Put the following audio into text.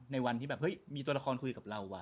วันที่แบบเฮ้ยมีตัวละครคุยกับเราว่